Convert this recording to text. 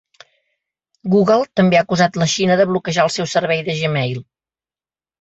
Google també ha acusat la Xina de bloquejar el seu servei de Gmail.